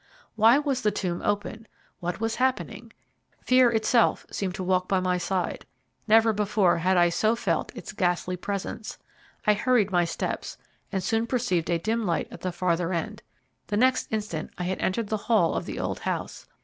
Why was the tomb open? What was happening? Fear itself seemed to walk by my side. Never before had I so felt its ghastly presence I hurried my steps, and soon perceived a dim light at the farther end. The next instant I had entered the hall of the old house.